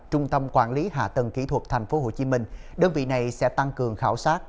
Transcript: trung tâm quản lý hạ tầng kỹ thuật tp hcm đơn vị này sẽ tăng cường khảo sát